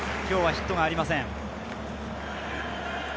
今日はヒットがありません。